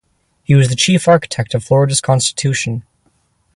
He was the chief architect of Florida's Constitution.